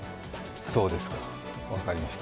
そうですか、分かりました。